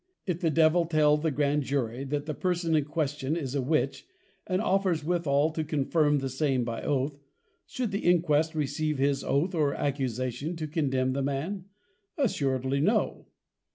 If the Devil tell the Grand Jury, that the person in question is a Witch, and offers withal to confirm the same by Oath, should the Inquest receive his Oath or Accusation to condemn the man? Assuredly no.